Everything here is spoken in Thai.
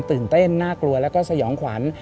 ตื่นเต้นน่ากลัวแล้วก็สยองขวัญ